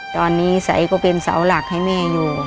ตอนนี้ใสก็เป็นเสาหลักให้แม่อยู่